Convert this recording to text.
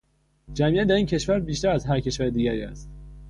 جمعیت در این کشور بیشتر از هر کشور دیگری است.